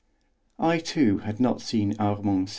I, too, had not seen Armand again.